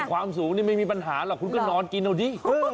ความสูงนี่ไม่มีปัญหาหรอกคุณก็นอนกินเอาดิ